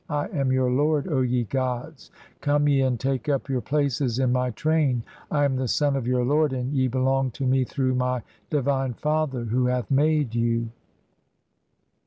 I am your Lord, O ye gods, come ye and take up "your places in my train. (3) I am the son of your lord, and ye "belong to me through my divine father who hath made you."